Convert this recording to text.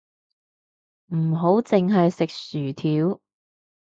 唔好淨係食薯條